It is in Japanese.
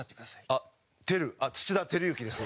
あっテル土田晃之です。